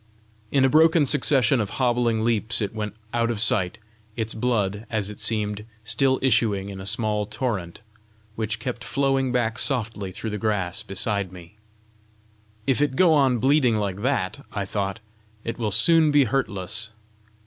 In a broken succession of hobbling leaps it went out of sight, its blood, as it seemed, still issuing in a small torrent, which kept flowing back softly through the grass beside me. "If it go on bleeding like that," I thought, "it will soon be hurtless!"